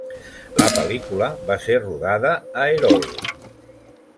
La pel·lícula va ser rodada a Hérault.